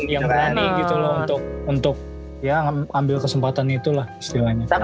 yang berani gitu loh untuk ya ambil kesempatan itulah istilahnya